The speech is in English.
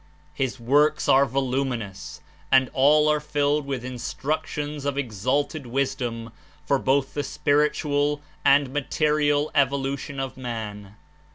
His works are vol uminous and all are filled with instructions of ex alted wisdom for both the spiritual and material evolution of man.